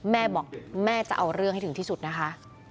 แม่บอกแม่จะเอาเรื่องให้ถึงที่สุดนะคะ